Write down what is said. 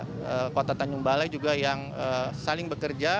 ada kota tanjung balai juga yang saling bekerja